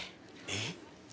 えっ？